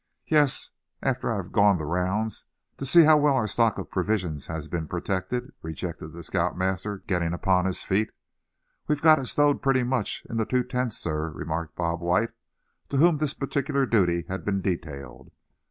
"Yes, after I've gone the rounds, to see how well our stock of provisions has been protected," replied the scout master, getting upon his feet. "We've got it stowed pretty much in the two tents, suh," remarked Bob White, to whom this particular duty had been detailed.